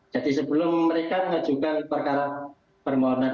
jadi sebelum mereka mengajukan perkara permohonan dispensasi